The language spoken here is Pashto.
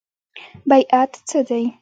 بیعت څه دی؟